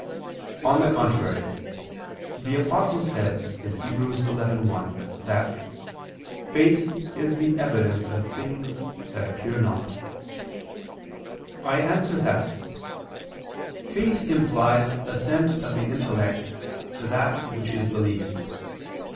On the contrary, The Apostle says (Heb. 11:1) that "faith is the evidence of things that appear not." I answer that, Faith implies assent of the intellect to that which is believed.